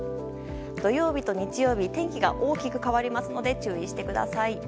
土曜日と日曜日天気が大きく変わりますので注意してください。